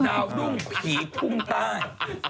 ดาวรุ่งผีภูมิด้วย